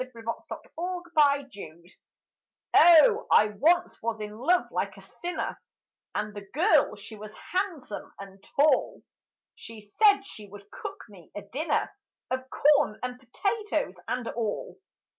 GREEN CORN AND POTATOES Oh I once was in love like a sinner, And the girl she was hahn'some and tall, She said she would cook me a dinner Of corn and potatoes and all.